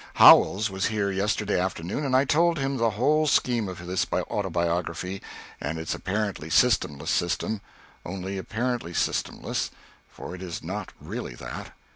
Howells was here yesterday afternoon, and I told him the whole scheme of this autobiography and its apparently systemless system only apparently systemless, for it is not really that.